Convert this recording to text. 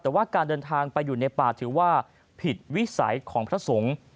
แต่ว่าการเดินทางไปอยู่ในป่าถือว่าผิดวิสัยของพระสงฆ์